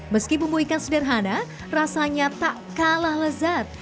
meski bumbu ikan sederhana rasanya tak kalah lezat